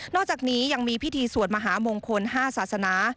อกจากนี้ยังมีพิธีสวดมหามงคล๕ศาสนา